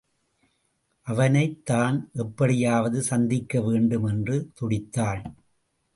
அவனைத் தான் எப்படியாவது சந்திக்க வேண்டும் என்று துடித்தாள்.